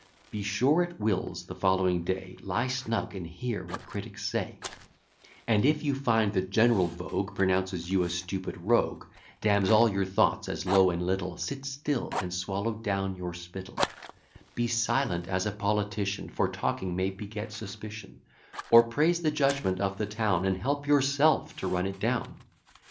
Be sure at Will's, the following day, Lie snug, and hear what critics say; And, if you find the general vogue Pronounces you a stupid rogue, Damns all your thoughts as low and little, Sit still, and swallow down your spittle; Be silent as a politician, For talking may beget suspicion; Or praise the judgment of the town, And help yourself to run it down.